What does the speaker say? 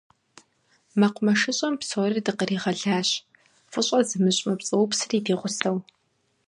МэкъумэшыщӀэм псори дыкъригъэлащ, фӀыщӀэ зымыщӀ мы пцӀыупсри ди гъусэу.